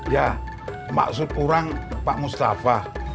ya maksud kurang pak mustafa